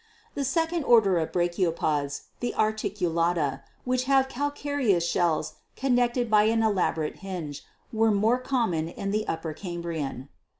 The second order of Brachiopods, the 'Articulata,' which have calcare ous shells connected by an elaborate hinge, were more com mon in the Upper Cambrian.